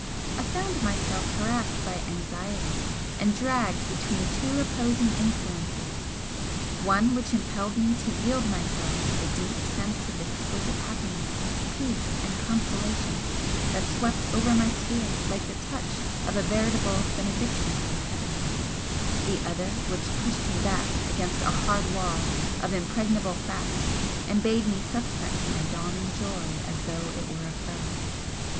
I found myself harassed by anxiety and dragged between two opposing influences one which impelled me to yield myself to the deep sense of exquisite happiness, peace and consolation that swept over my spirit like the touch of a veritable benediction from heaven, the other which pushed me back against a hard wall of impregnable fact and bade me suspect my dawning joy as though it were a foe.